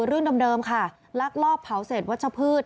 เรื่องเดิมค่ะลักลอบเผาเศษวัชพืช